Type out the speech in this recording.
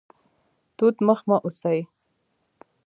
توت مخ مه اوسئ